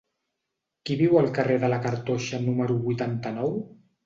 Qui viu al carrer de la Cartoixa número vuitanta-nou?